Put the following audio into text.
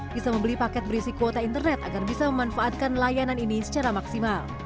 bisa membeli paket berisi kuota internet agar bisa memanfaatkan layanan ini secara maksimal